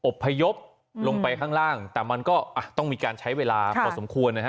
พยพลงไปข้างล่างแต่มันก็ต้องมีการใช้เวลาพอสมควรนะฮะ